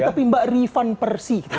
tapi mbak rifan persi gitu